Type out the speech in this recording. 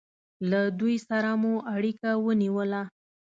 له دوی سره مو اړیکه ونیوله.